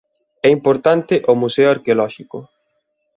É importante o museo arqueolóxico.